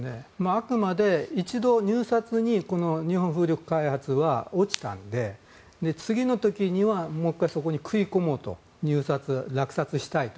あくまで一度、入札に日本風力開発は落ちたので次の時にはもう１回そこに食い込もうと落札したいと。